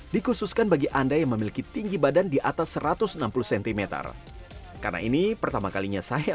dikhususkan bagi anda yang memiliki tinggi badan di atas satu ratus enam puluh cm karena ini pertama kalinya saya